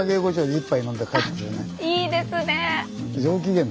あっいいですね。